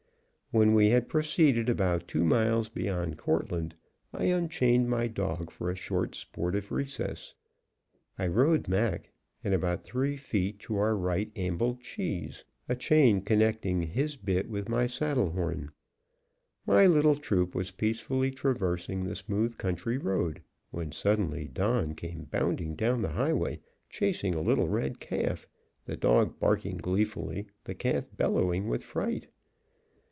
When we had proceeded about two miles beyond Courtland, I unchained my dog for a short sportive recess. I rode Mac, and about three feet to our right ambled Cheese, a chain connecting his bit with my saddlehorn. My little troop was peacefully traversing the smooth country road when suddenly Don came bounding down the highway, chasing a little red calf, the dog barking gleefully, the calf bellowing with fright.